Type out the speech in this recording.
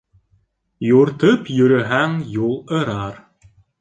Юртып йөрөһәң, юл ырар.